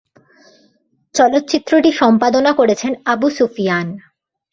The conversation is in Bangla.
চলচ্চিত্রটি সম্পাদনা করেছেন আবু সুফিয়ান।